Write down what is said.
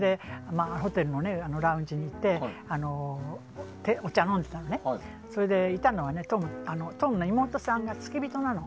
ホテルのラウンジに行ってお茶飲んでたらそれで、いたのがトムの妹さんが付き人なの。